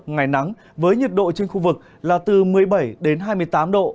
ngày nắng với nhiệt độ trên khu vực là từ một mươi bảy đến hai mươi tám độ